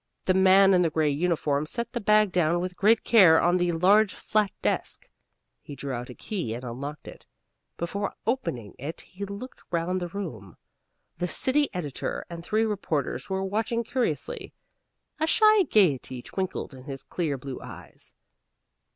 The man in the gray uniform set the bag down with great care on the large flat desk. He drew out a key and unlocked it. Before opening it he looked round the room. The city editor and three reporters were watching curiously. A shy gayety twinkled in his clear blue eyes.